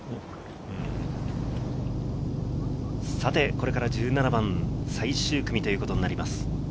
これから１７番、最終組ということになります。